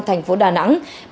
thành phố đà nẵng